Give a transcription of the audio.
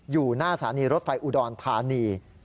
อยู่หน้าสถานีรถไฟอุดรธานี